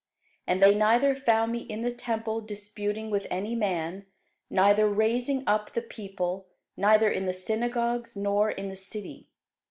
And they neither found me in the temple disputing with any man, neither raising up the people, neither in the synagogues, nor in the city.